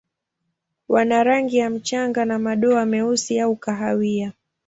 Wana rangi ya mchanga na madoa meusi au kahawia.